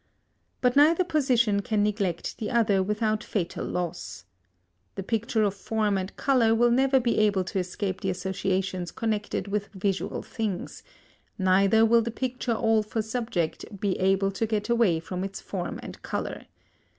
But neither position can neglect the other without fatal loss. The picture of form and colour will never be able to escape the associations connected with visual things, neither will the picture all for subject be able to get away from its form and colour.